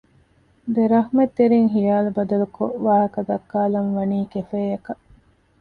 ދެރަހްމަތްތެރިން ހިޔާލު ބަދަލުކޮށް ވާހަކަދައްކާލަން ވަނީ ކެފޭއަކަށް